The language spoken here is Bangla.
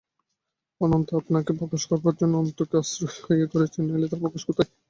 অনন্ত আপনাকে প্রকাশ করবার জন্যই অন্তকে আশ্রয় করেছেন– নইলে তাঁর প্রকাশ কোথায়?